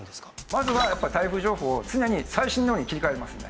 まずはやっぱり台風情報を常に最新のに切り替えますね。